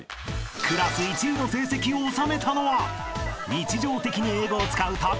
［クラス１位の成績を収めたのは日常的に英語を使う高橋さんか？］